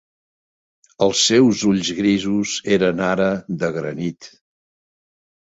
Els seus ulls grisos eren ara de granit.